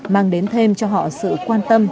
mang đến thêm cho họ sự quan tâm